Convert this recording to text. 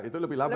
itu lebih lama